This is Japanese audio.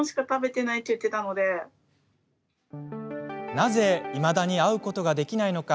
なぜ、いまだに会うことができないのか